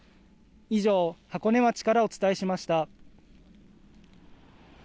以上、箱根町からお伝えしました。